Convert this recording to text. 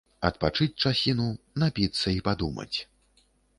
Адпачыць часіну, напіцца і падумаць.